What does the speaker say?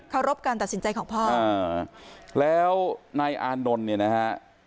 รบการตัดสินใจของพ่ออ่าแล้วนายอานนท์เนี่ยนะฮะ